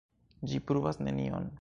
Ĝi pruvas nenion.